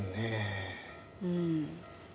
うん。